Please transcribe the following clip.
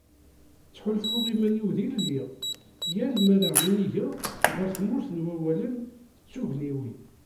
Ttḥulfuɣ iman-iw d ilelli, yal mi ara inigeɣ ɣer tmurt n wawalen d tugniwin.